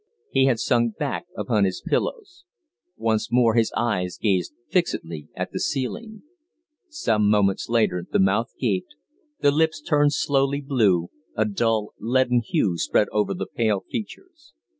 He had sunk back upon his pillows. Once more his eyes gazed fixedly at the ceiling. Some moments later the mouth gaped, the lips turned slowly blue, a dull, leaden hue spread over the pale features.